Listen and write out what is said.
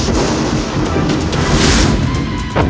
tapi disana ada pangan yang mengudas